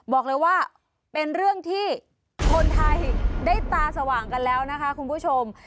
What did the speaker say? บอกเลยว่าเป็นเรื่องที่คนไทยได้ตาสว่างกันแล้วนะคะคุณผู้ชม